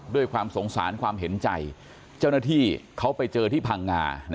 ด้วยความสงสารความเห็นใจเจ้าหน้าที่เขาไปเจอที่พังงา